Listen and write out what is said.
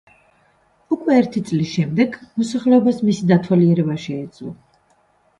უკვე ერთი წლის შემდეგ, მოსახლეობას მისი დათვალიერება შეეძლო.